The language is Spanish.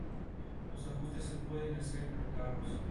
Los ajustes se pueden hacer por carros.